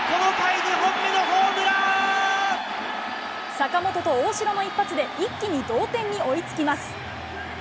なんと、坂本と大城の一発で、一気に同点に追いつきます。